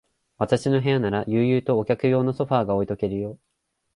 私の部屋なら、悠々とお客用のソファーが置いとけるよ。